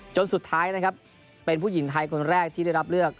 จนสุดท้ายนะครับเป็นผู้หญิงไทยคนแรกที่ได้รับเลือก